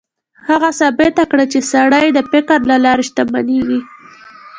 هغه ثابته کړه چې سړی د فکر له لارې شتمنېږي.